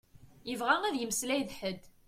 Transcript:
Yebɣa ad yemmeslay d ḥed.